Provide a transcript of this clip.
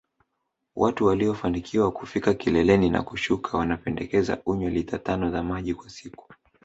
Watu waliofanikiwa kufika kileleni na kushuka wanapendekeza unywe lita tano za maji kwa siku